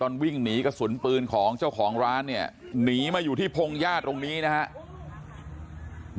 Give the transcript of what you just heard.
วิ่งหนีกระสุนปืนของเจ้าของร้านเนี่ยหนีมาอยู่ที่พงญาติตรงนี้นะครับ